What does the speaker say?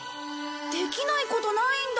できないことないんだ。